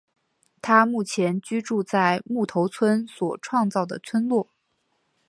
他目前居住在木头村所创造的村落。